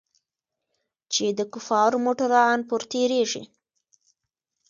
چې د کفارو موټران پر تېرېږي.